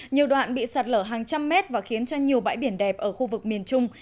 nhiều đoạn bị sạt lở hàng trăm mét và khiến cho nhiều bãi biển đẹp ở khu vực miền trung